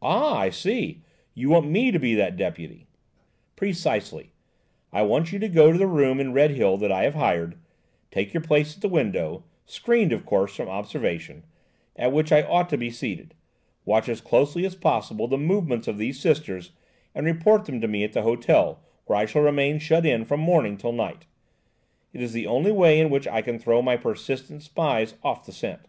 "Ah! I see–you want me to be that deputy." "Precisely. I want you to go to the room in Redhill that I have hired, take your place at the window–screened, of course, from observation–at which I ought to be seated–watch as closely as possible the movements of these Sisters and report them to me at the hotel, where I shall remain shut in from morning till night–it is the only way in which I can throw my persistent spies off the scent.